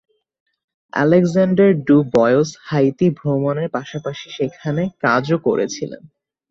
Alexander ডু বয়স Haiti ভ্রমণ এর পাশাপাশি সেখানে কাজও করেছিলেন।